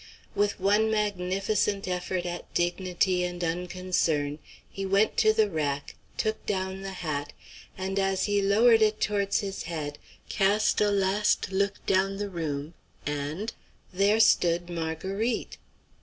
With one magnificent effort at dignity and unconcern he went to the rack, took down the hat, and as he lowered it towards his head cast a last look down the room, and there stood Marguerite.